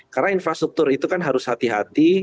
karena infrastruktur itu kan harus hati hati